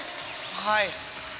はい。